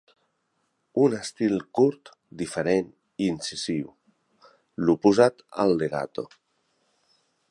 Un estil curt, diferent i incisiu; l'oposat al legato.